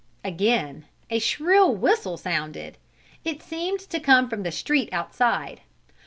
Again a shrill whistle sounded. It seemed to come from the street outside.